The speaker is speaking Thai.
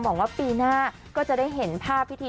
หวังว่าปีหน้าก็จะได้เห็นภาพพิธี